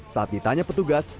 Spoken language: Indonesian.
saat ditanya petugas